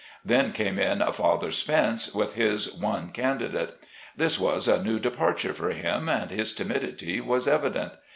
Then came in "Father Spence," with his one candidate. This was a new departure for him and his timidity was evident.